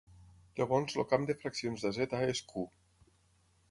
Llavors el camp de fraccions de Z és Q.